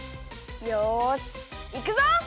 よしいくぞ！